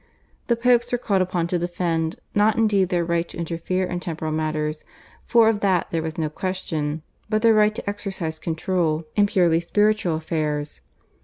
The Popes were called upon to defend not indeed their right to interfere in temporal matters, for of that there was no question, but their right to exercise control in purely spiritual affairs.